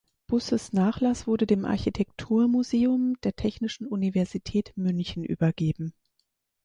Busses Nachlass wurde dem Architekturmuseum der Technischen Universität München übergeben.